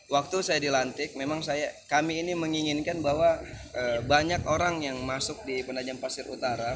waktu saya dilantik memang kami ini menginginkan bahwa banyak orang yang masuk di penajam pasir utara